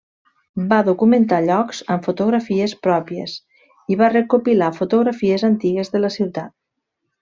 Va documentar llocs amb fotografies pròpies, i va recopilar fotografies antigues de la ciutat.